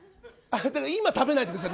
今食べないでください。